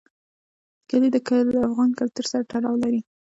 کلي د افغان کلتور سره تړاو لري.